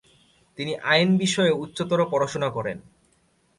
তিনি আইন বিষয়ে উচ্চতর পড়াশোনা শুরু করেন।